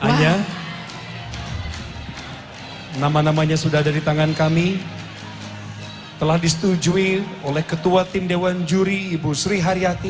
hanya nama namanya sudah ada di tangan kami telah disetujui oleh ketua tim dewan juri ibu sri haryati